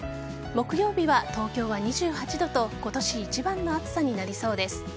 木曜日は東京は２８度と今年一番の暑さになりそうです。